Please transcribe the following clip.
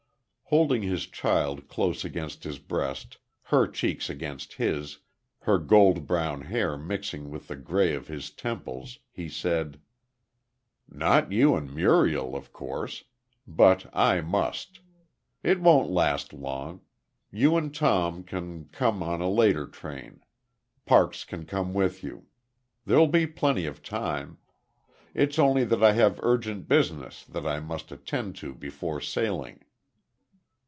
Holding his child close against his breast, her cheeks against his, her gold brown hair mixing with the gray of his temples, he said: "Not you and Muriel, of course. But I must. It won't last long; you and Tom can come on a later train. Parks can come with you. There'll be plenty of time. It's only that I have urgent business that I must attend to before sailing."